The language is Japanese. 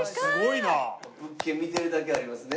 物件見てるだけありますね。